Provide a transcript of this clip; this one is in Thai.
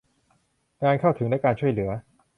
การเข้าถึงและการช่วยเหลือ